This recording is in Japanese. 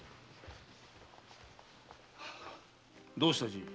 どうしたじい？